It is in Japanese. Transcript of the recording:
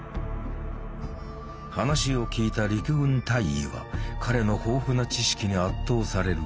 話を聞いた陸軍大尉は彼の豊富な知識に圧倒される。